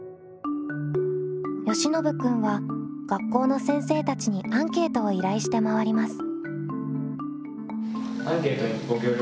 よしのぶ君は学校の先生たちにアンケートを依頼して回ります。